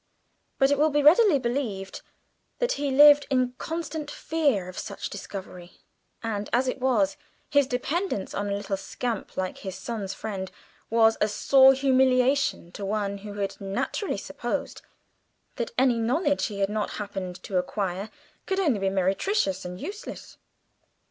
But it will be readily believed that he lived in constant fear of such discovery, and as it was, his dependence on a little scamp like his son's friend was a sore humiliation to one who had naturally supposed hitherto that any knowledge he had not happened to acquire could only be meretricious and useless.